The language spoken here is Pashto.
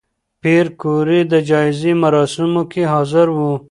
پېیر کوري د جایزې مراسمو کې حاضر و؟